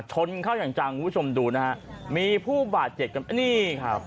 ชนเข้าอย่างจังคุณผู้ชมดูนะครับมีผู้บาด๗นี่ครับ